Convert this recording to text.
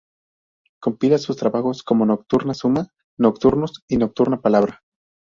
Compila sus trabajos como "Nocturna suma", "Nocturnos" y "Nocturna Palabra".